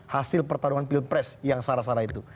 hasil pertarungan pilpres yang sara sara itu